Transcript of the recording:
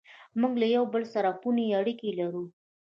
موږ له یو بل سره خوني اړیکې لرو.